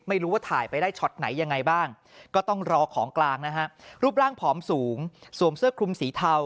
ไม่รู้ว่าถ่ายไปได้ช็อตไหนยังไงบ้างก็ต้องรอของกลางนะฮะรูปร่างผอมสูงสวมเสื้อคลุมสีเทา